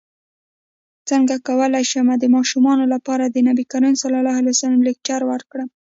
څنګه کولی شم د ماشومانو لپاره د نبي کریم ص لیکچر ورکړم